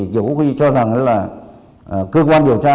đối tượng gia đình